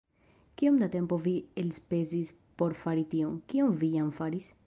Kiom da tempo vi elspezis por fari tion, kion vi jam faris?